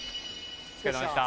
お疲れさまでした。